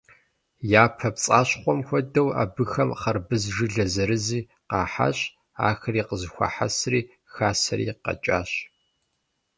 Япэ пцӀащхъуэм хуэдэу, абыхэм хьэрбыз жылэ зэрызи къахьащ, ахэри къызэхуахьэсри хасэри къэкӀащ.